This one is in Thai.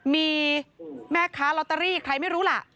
มีแม่ค้าลอตเตอรี่ใครไม่รู้ล่ะ